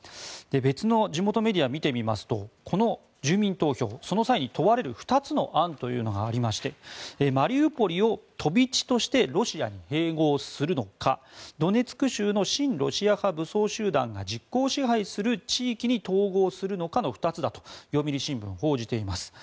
別の地元メディアを見てみますとこの住民投票その際に問われる２つの案というのがありましてマリウポリを飛び地としてロシアに併合するのかドネツク州の親ロシア派武装集団が実効支配する地域に統合するのかの２つだと読売新聞は報じています。